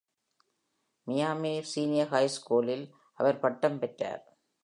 Miami Senior High School இல் அவர் பட்டம் பெற்றார்.